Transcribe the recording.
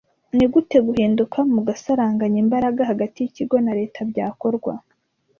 Nigute Guhinduka mugusaranganya imbaraga hagati yikigo na leta byakorwa